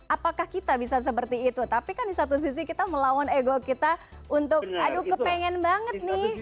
apakah kita bisa seperti itu tapi kan di satu sisi kita melawan ego kita untuk aduh kepengen banget nih